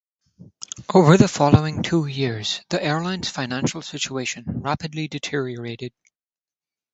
Over the following two years, the airline's financial situation rapidly deteriorated.